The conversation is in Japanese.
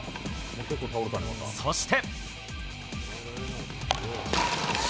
そして。